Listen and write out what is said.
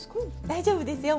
大丈夫ですよ。